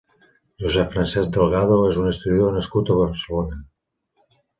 Josep-Francesc Delgado és un historiador nascut a Barcelona.